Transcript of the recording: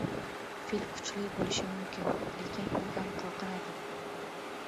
• Fil kuchli bo‘lishi mumkin, lekin u ham qoqinadi.